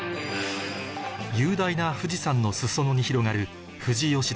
雄大な富士山の裾野に広がる